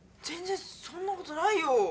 全然そんな事ないよ！